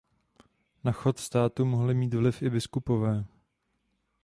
Na chod státu mohli mít vliv i biskupové.